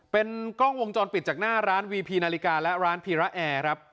เป็นกล้องวงจรปิดจากหน้าร้านวีพีนาฬิกาและร้านพีระแอร์ครับ